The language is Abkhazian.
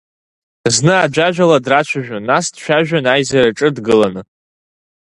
Зны аӡәаӡәала драцәажәон, нас дцәажәон аизараҿы дгыланы.